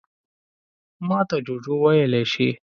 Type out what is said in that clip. _ماته جُوجُو ويلی شې.